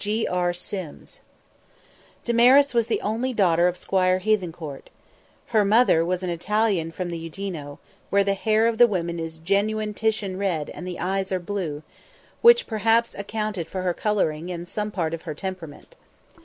G. R. SIMS. Damaris was the only daughter of Squire Hethencourt. Her mother was an Italian from the Udino, where the hair of the women is genuine Titian red and the eyes are blue; which perhaps accounted for her colouring and some part of her temperament.